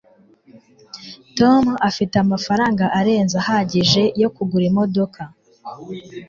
tom afite amafaranga arenze ahagije yo kugura imodoka